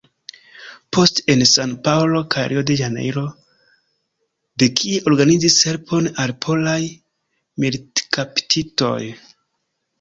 Poste en San-Paŭlo kaj Rio-de-Ĵanejro, de kie organizis helpon al polaj militkaptitoj.